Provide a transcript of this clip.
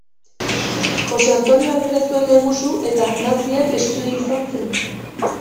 Jose Antonio Agirre zuen lehengusu eta nazien espioi izan zen.